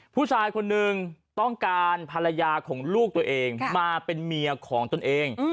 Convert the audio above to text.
ผู้ชายคนนึงต้องการภรรยาของลูกตัวเองมาเป็นเมียของตนเอง